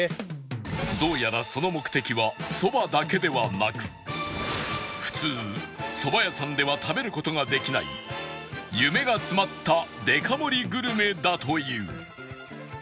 どうやらその普通そば屋さんでは食べる事ができない夢が詰まったデカ盛りグルメだという